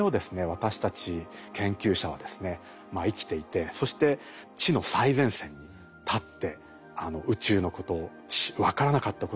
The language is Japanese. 私たち研究者はですね生きていてそして知の最前線に立って宇宙のことを分からなかったことを調べる。